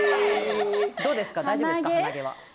どうですか大丈夫ですか。